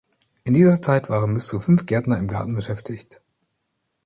In dieser Zeit waren bis zu fünf Gärtner im Garten beschäftigt.